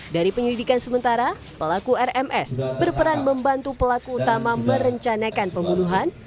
dari penyelidikan sementara pelaku rms berperan membantu pelaku utama merencanakan pembunuhan